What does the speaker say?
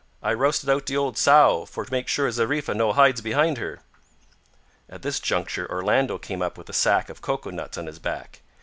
I rousted out de ole sow for make sure Zariffa no hides behind her." At this juncture Orlando came up with a sack of cocoa nuts on his back.